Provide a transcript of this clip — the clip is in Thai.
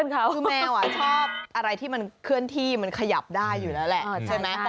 คือแมวชอบอะไรที่มันเคลื่อนที่มันขยับได้อยู่แล้วแหละใช่ไหม